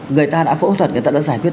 người ta đã phẫu thuật người ta đã giải quyết